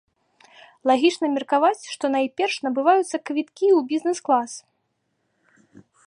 Лагічна меркаваць, што найперш набываюцца квіткі ў бізнес-клас.